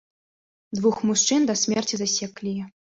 Двух мужчын да смерці засеклі.